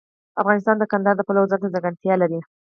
افغانستان د کندهار د پلوه ځانته ځانګړتیا لري.